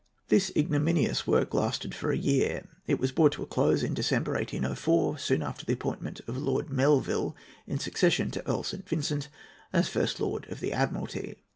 This ignominious work lasted for a year. It was brought to a close in December, 1804, soon after the appointment of Lord Melville, in succession to Earl St. Vincent, as First Lord of the Admiralty.